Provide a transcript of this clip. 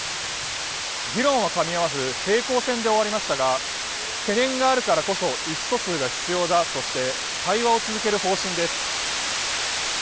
議論はかみ合わず平行線で終わりましたが懸念があるからこそ意思疎通が必要だとして対話を続ける方針です。